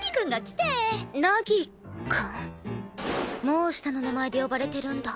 もう下の名前で呼ばれてるんだ。